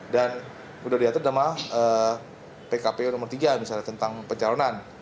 dan sudah diatur dengan pkp nomor tiga misalnya tentang pencalonan